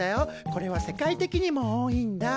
これは世界的にも多いんだ。